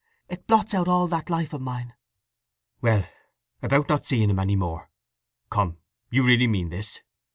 It blots out all that life of mine!" "Well—about not seeing him again any more. Come—you really mean this?"